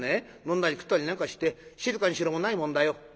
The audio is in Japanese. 飲んだり食ったりなんかして『静かにしろ』もないもんだよ。